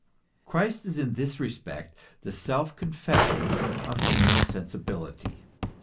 "* Christ is in tbis respect the self confession of human sensibility.